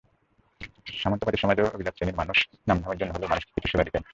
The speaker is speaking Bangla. সামন্তবাদী সমাজেও অভিজাত শ্রেণির মানুষ নামধামের জন্য হলেও মানুষকে কিছু সেবা দিতেন।